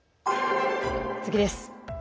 次です。